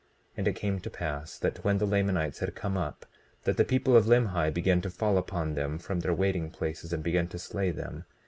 20:9 And it came to pass that when the Lamanites had come up, that the people of Limhi began to fall upon them from their waiting places, and began to slay them.